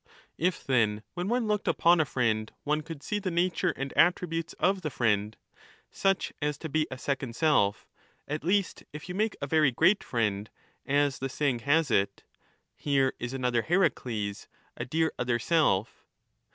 If, then, when one looked upon a friend one could see the nature and attributes of the friend, ... such as to be a second self, at least if you make a very great friend, as the saying has it, ' Here is another Heracles, a dear other self.'